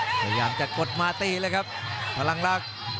พยายามจะกดมาตีเลยครับพลังลักษณ์